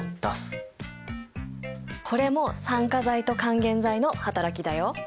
これも酸化剤と還元剤の働きだよ。